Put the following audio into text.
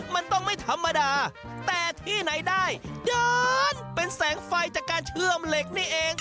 มันต้องไม่ธรรมดาแต่ที่ไหนได้เดินเป็นแสงไฟจากการเชื่อมเหล็กนี่เอง